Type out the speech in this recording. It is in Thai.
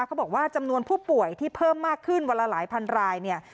เขาบอกว่าจำนวนผู้ป่วยที่เพิ่มมากขึ้นวันละหลายพันรายเนี่ย